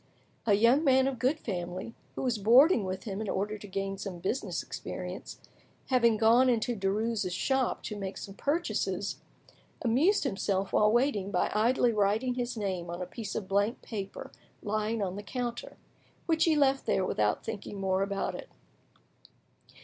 A young man of good family, who was boarding with him in order to gain some business experience, having gone into Derues' shop to make some purchases, amused himself while waiting by idly writing his name on a piece of blank paper lying on the counter; which he left there without thinking more about it.